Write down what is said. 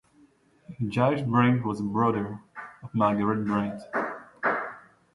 Giles Brent was the brother of Margaret Brent.